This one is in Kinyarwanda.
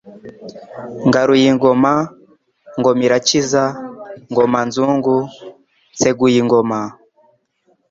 Ngaruyingoma Ngomirakiza Ngomanzungu Nseguyingoma